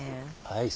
はい。